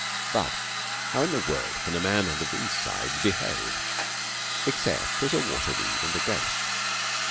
But how in the world can a man under these skies behave except as a waterweed and a ghost?